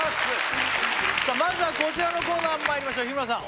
さあまずはこちらのコーナーまいりましょう日村さん